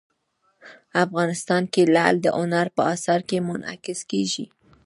افغانستان کې لعل د هنر په اثار کې منعکس کېږي.